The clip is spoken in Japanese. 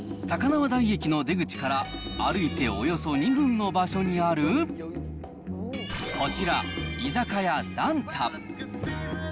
高輪台駅の出口から歩いておよそ２分の場所にある、こちら、居酒屋壇太。